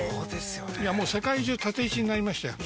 いやもう世界中縦位置になりましたよ。